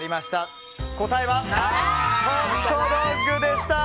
答えはホットドッグでした！